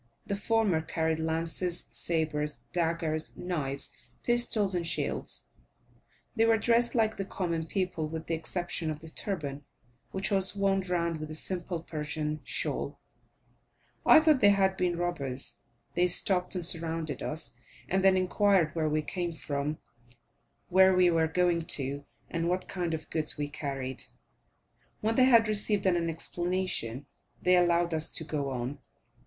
The former carried lances, sabres, daggers, knives, pistols, and shields; they were dressed like the common people, with the exception of the turban, which was wound round with a simple Persian shawl. I thought they had been robbers. They stopped and surrounded us, and then inquired where we came from, where we were going to, and what kind of goods we carried? When they had received an explanation, they allowed us to go on.